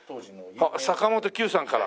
あっ坂本九さんから！